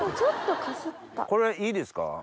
これいいですか？